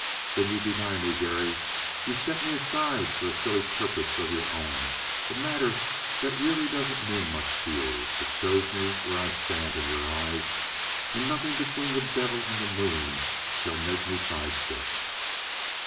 "Then you deny me, Garry. You set me aside for a silly purpose of your own a matter that really doesn't mean much to you. It shows me where I stand in your eyes and nothing between the devil and the moon shall make me sidestep!"